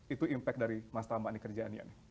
itu impact dari mas tama di kerjaannya